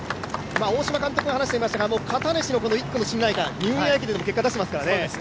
大島監督も話していますが、片西の１区の信頼感ニューイヤー駅伝でも結果を出していますからね。